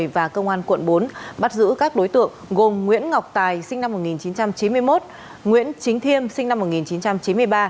và công an quận bốn bắt giữ các đối tượng gồm nguyễn ngọc tài sinh năm một nghìn chín trăm chín mươi một nguyễn chính thiêm sinh năm một nghìn chín trăm chín mươi ba